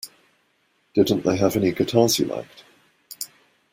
Didn't they have any guitars you liked?